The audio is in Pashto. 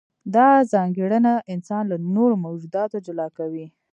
دا ځانګړنه انسان له نورو موجوداتو جلا کوي.